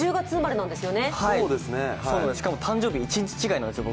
そうですね、しかも誕生日、１日違いなんです。